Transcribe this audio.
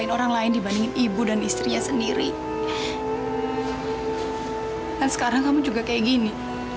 hitung hitung bales budi buat kebaikan dia selama ini